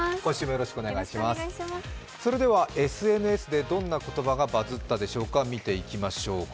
それではＳＮＳでどんな言葉がバズったでしょうか。